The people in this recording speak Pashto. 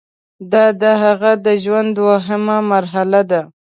دا د هغه د ژوند دوهمه مرحله ده.